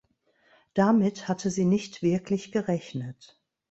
Damit hatte sie nicht wirklich gerechnet.